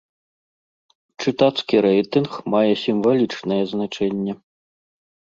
Чытацкі рэйтынг мае сімвалічнае значэнне.